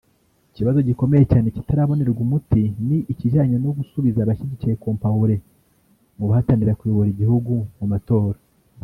Ikibazo gikomeye cyane kitarabonerwa umuti ni ikijyanye no gusubiza abashyigikiye Compaoré mu bahatanira kuyobora igihugu mu matora